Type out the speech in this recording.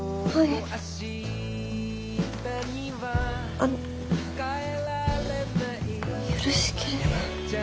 あっよろしければ。